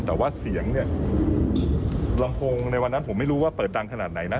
แต่ว่าเสียงเนี่ยลำโพงในวันนั้นผมไม่รู้ว่าเปิดดังขนาดไหนนะ